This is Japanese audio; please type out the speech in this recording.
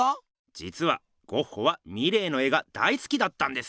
じつはゴッホはミレーの絵が大すきだったんです。